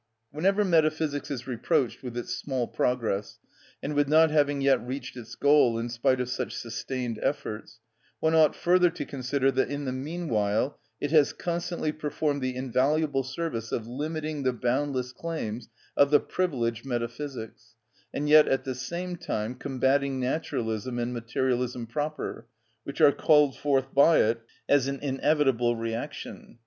Whenever metaphysics is reproached with its small progress, and with not having yet reached its goal in spite of such sustained efforts, one ought further to consider that in the meanwhile it has constantly performed the invaluable service of limiting the boundless claims of the privileged metaphysics, and yet at the same time combating naturalism and materialism proper, which are called forth by it as an inevitable reaction.